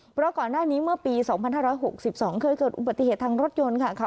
เพราะก่อนหน้านี้เมื่อปี๒๕๖๒เคยเกิดอุบัติเหตุทางรถยนต์ค่ะ